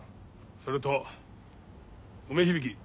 それと梅響。